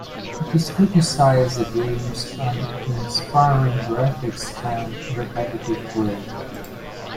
It criticized the game's uninspiring graphics and repetitive play.